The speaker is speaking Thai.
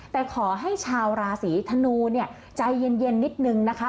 แต่ขอให้ชาวราศีธนูเนี่ยใจเย็นนิดนึงนะคะ